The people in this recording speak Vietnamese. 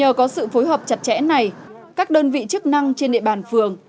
nhờ có sự phối hợp chặt chẽ này các đơn vị chức năng trên địa bàn phường